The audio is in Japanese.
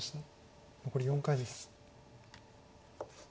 残り４回です。